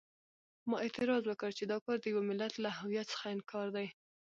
ما اعتراض وکړ چې دا کار د یوه ملت له هویت څخه انکار دی.